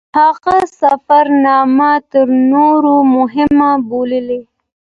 هغه سفرنامه تر نورو مهمه بولي.